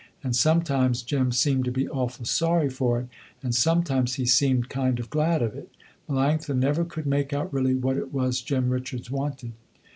And sometimes Jem seemed to be awful sorry for it, and sometimes he seemed kind of glad of it. Melanctha never could make out really what it was Jem Richards wanted.